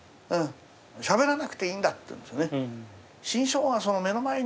しゃべらなくていいんだって言うんですよね。